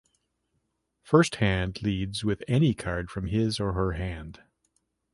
First hand leads with any card from his or her hand.